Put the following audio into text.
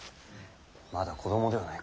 まだ子供ではないか。